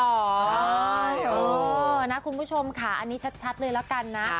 เออนะคุณผู้ชมค่ะอันนี้ชัดเลยละกันนะ